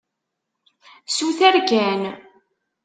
Suter kan.